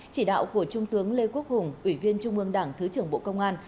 chỉ đạo của trung tướng lê quốc hùng ủy viên trung ương đảng thứ trưởng bộ công an